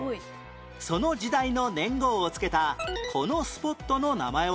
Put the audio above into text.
その時代の年号を付けたこのスポットの名前は？